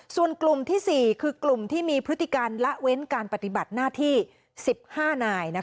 ส่วนกลุ่มที่๔คือกลุ่มที่มีพฤติการละเว้นการปฏิบัติหน้าที่๑๕นาย